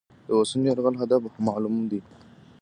د اوسني یرغل هدف معلومول دي.